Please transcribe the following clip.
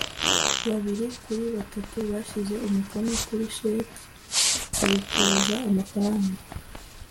Babiri kuri batatu bashyize umukono kuri sheki babikuza amafaranga